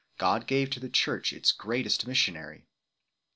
19 God gave to tlie Church its greatest missionary.